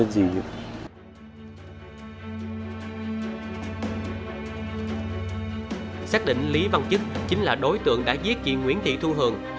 sát định lý văn trúc chính là đối tượng đã giết chị nguyễn thị thu hường